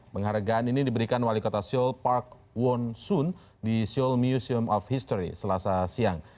penghargaan ini diberikan wali kota seoul park won sun di seoul museum of history selasa siang